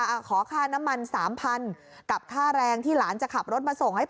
อะขอค่าน้ำมัน๓๐๐๐กับท่าแรงที่หลานจะขับรถมาส่งให้๑๐๐๐